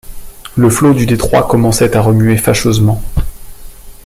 Le flot du détroit commençait à remuer fâcheusement.